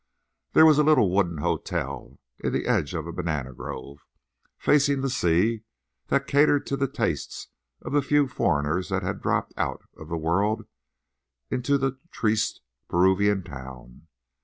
There was a little wooden hotel in the edge of a banana grove, facing the sea, that catered to the tastes of the few foreigners that had dropped out of the world into the triste Peruvian town.